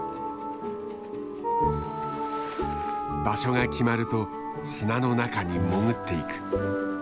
場所が決まると砂の中に潜っていく。